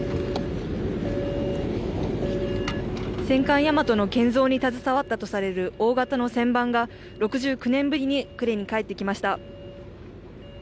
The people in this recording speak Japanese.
戦艦大和の建造に携わったとされる大型の旋盤が６９年ぶりに呉に帰ってきました。